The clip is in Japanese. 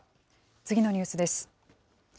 次のニュースです。